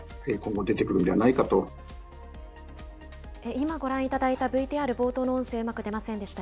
今ご覧いただいたＶＴＲ冒頭の音声、うまく出ませんでした。